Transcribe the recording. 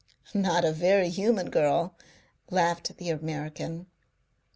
"Not a very human girl," laughed the American.